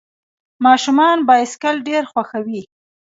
ماشومان بایسکل ډېر خوښوي.